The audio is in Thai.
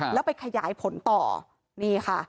แล้วไปขยายผลต่อนี่ค่ะ